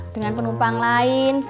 dengan penumpang lain